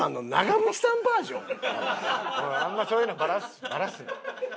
あんまそういうのバラすな。